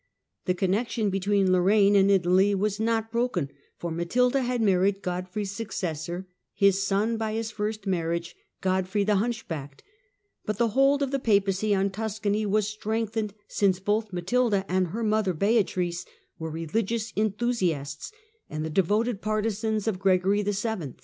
The connexion between Lorraine and Italy was not broken, for Matilda had married Godfrey's successor, his son by his first marriage, Godfrey the Hunchbacked, but the hold of the Papacy on Tuscany was strengthened^ since both Matilda and her mother Beatrice were re ligious enthusiasts, and the devoted partisans of Gregory VII.